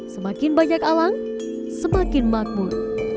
semakin banyak alang semakin makmur